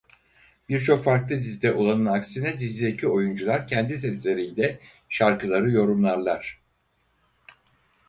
Birçok farklı dizide olanın aksine dizideki oyuncular kendi sesleriyle şarkıları yorumlarlar.